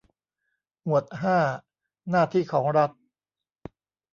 หมวดห้าหน้าที่ของรัฐ